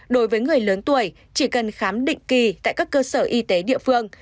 đối với người lớn tuổi chỉ cần khám định kỳ tại các cơ sở y tế địa phương